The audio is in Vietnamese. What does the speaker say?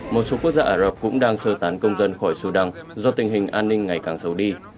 một số quốc gia ả rập cũng đang sơ tán công dân khỏi sudan do tình hình an ninh ngày càng xấu đi